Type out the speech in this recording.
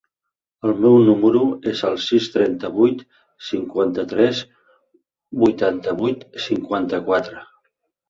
El meu número es el sis, trenta-vuit, cinquanta-tres, vuitanta-vuit, cinquanta-quatre.